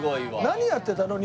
何やってたの？